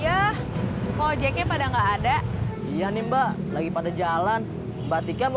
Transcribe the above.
ya mau jeknya pada enggak ada iya nih mbak lagi pada jalan batiknya mau